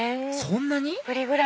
そんなに？